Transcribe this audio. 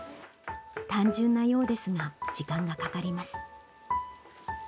単純なようですが、時間がかかります。